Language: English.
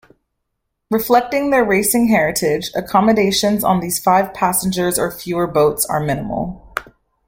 Reflecting their racing heritage, accommodations on these five-passengers-or-fewer boats are minimal.